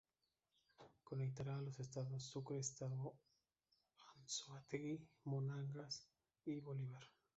Conectará a los estados: Sucre, Estado Anzoátegui, Monagas y Bolívar.